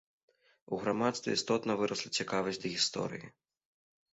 У грамадстве істотна вырасла цікавасць да гісторыі.